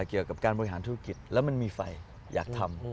เกี่ยวกับการบริหารธุรกิจแล้วมันมีไฟอยากทำ